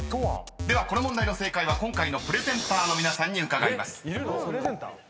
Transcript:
［ではこの問題の正解は今回のプレゼンターの皆さんに伺います］